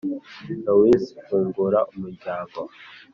"louise, fungura umuryango!